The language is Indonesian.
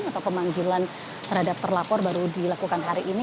atau pemanggilan terhadap terlapor baru dilakukan hari ini